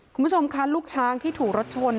คุณผู้ชมค่ะลูกช้างที่ถูกรถชน